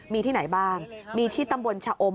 มีที่ไหนบ้างมีที่ตำบลชะอม